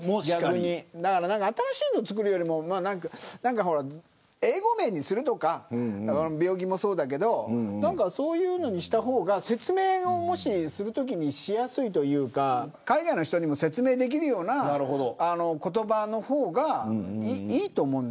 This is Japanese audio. だから新しいの作るよりも英語名にするとか病気もそうだけどそういうのにした方が説明をするときにしやすいというか海外の人にも説明できるような言葉の方がいいと思うんだよね。